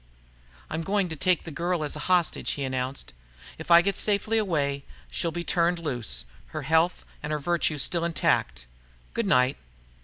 "I'm going to take the girl as a hostage," he announced. "If I get safely away, she'll be turned loose, her health and virtue still intact. Good night."